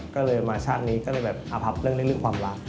ก็เลยมาชาตินี้ก็เลยแบบอพับเรื่องนี้เรื่องความรัก